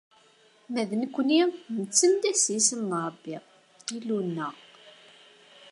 Ma d nekkni, nettandah s yisem n Rebbi, Illu-nneɣ.